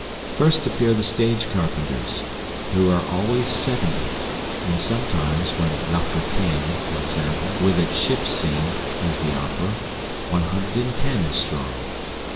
First appear the stage carpenters, who are always seventy, and sometimes, when L'Africaine, for example, with its ship scene, is the opera, one hundred and ten strong.